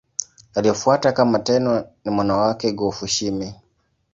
Aliyemfuata kama Tenno ni mwana wake Go-Fushimi.